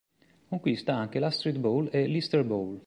Conquista anche l'Astrid Bowl e l'Easter Bowl.